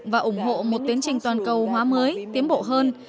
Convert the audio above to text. và ủng hộ một tiến trình toàn cầu hóa mới tiến bộ hơn